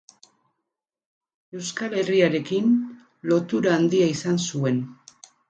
Euskal Herriarekin lotura handia izan zuen.